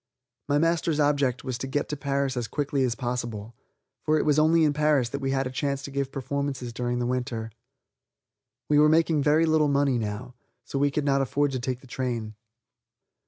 My master's object was to get to Paris as quickly as possible, for it was only in Paris that we had a chance to give performances during the winter. We were making very little money now, so we could not afford to take the train.